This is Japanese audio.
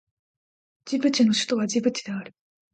ジブチの首都はジブチである